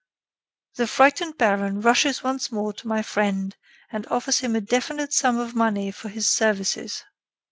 The frightened baron rushes once more to my friend and offers him a definite sum of money for his services.